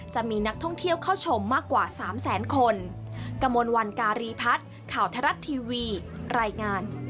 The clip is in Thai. จะมีนักท่องเที่ยวเข้าชมมากกว่า๓แสนคน